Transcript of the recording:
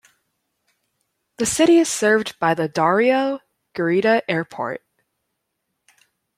The city is served by the "Dario Guarita Airport".